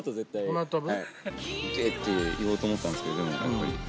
「行け」って言おうと思ったんですけど。